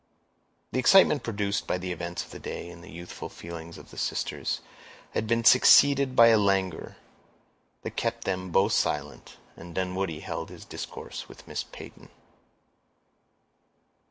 The excitement produced by the events of the day in the youthful feelings of the sisters, had been succeeded by a languor that kept them both silent, and Dunwoodie held his discourse with Miss Peyton.